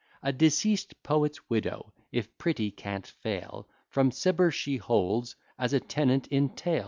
A deceased poet's widow, if pretty, can't fail; From Cibber she holds, as a tenant in tail.